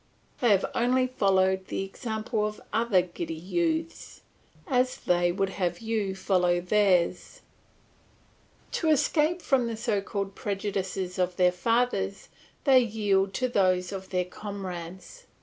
They have only followed the example of other giddy youths, as they would have you follow theirs. To escape from the so called prejudices of their fathers, they yield to those of their comrades.